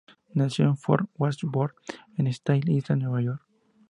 Nació en Fort Wadsworth, Staten Island, Nueva York.